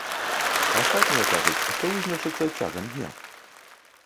Астатнія кажуць, што вызначацца цягам дня.